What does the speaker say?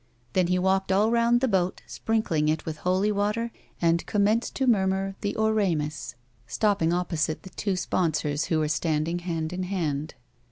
Then he walked all round the boat sprinkling it with holy water, and conunenced to murmur the or emus, stopping opposite the two sponsors who were standing hand in hand.